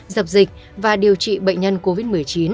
dập dịch và điều trị bệnh nhân covid một mươi chín